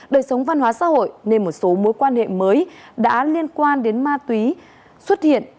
đời sống văn hóa xã hội nên một số mối quan hệ mới đã liên quan đến ma túy xuất hiện